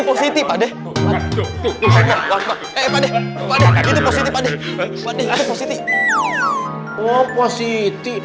istilahnya tetap consists